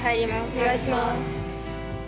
お願いします。